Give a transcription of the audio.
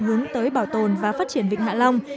hướng tới bảo tồn và phát triển vịnh hạ long